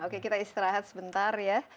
oke kita istirahat sebentar ya